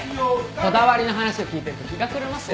こだわりの話を聞いてると日が暮れますよ。